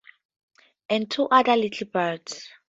And two other little beds.